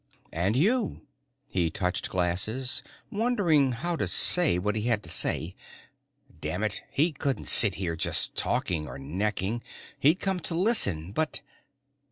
"And you." He touched glasses, wondering how to say what he had to say. Damn it, he couldn't sit here just talking or necking, he'd come to listen but....